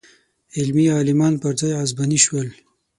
علمي عالمان پر ځای عصباني شول.